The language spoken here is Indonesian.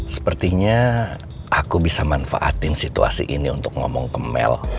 sepertinya aku bisa manfaatin situasi ini untuk ngomong ke mel